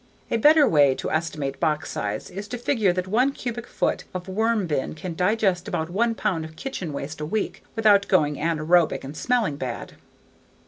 A better way to estimate box size is to figure that one cubic foot of worm bin can digest about one pound of kitchen waste a week without going anaerobic and smelling bad.